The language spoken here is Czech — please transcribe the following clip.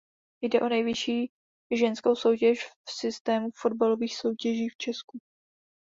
Jde o nejvyšší ženskou soutěž v systému fotbalových soutěží v Česku.